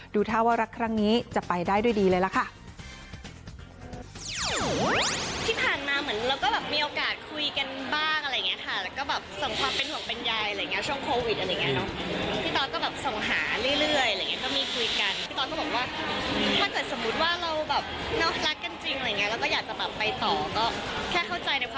ดูท่าว่ารักครั้งนี้จะไปได้ด้วยดีเลยล่ะค่ะ